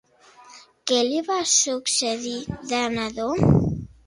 Què li va succeir de nadó?